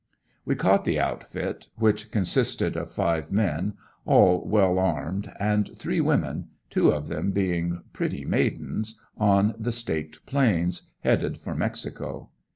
We caught the outfit, which consisted of five men, all well armed and three women, two of them being pretty maidens, on the staked plains, headed for Mexico.